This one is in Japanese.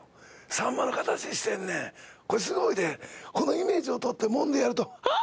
サンマの形してんねんこれすごいでこのイメージを取ってもんでやるとはぁ！